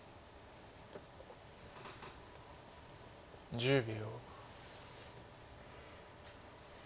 １０秒。